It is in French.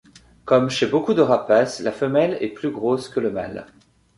Comme chez beaucoup de rapaces, la femelle est plus grosse que le mâle.